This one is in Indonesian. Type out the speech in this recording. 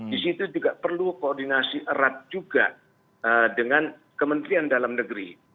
di situ juga perlu koordinasi erat juga dengan kementerian dalam negeri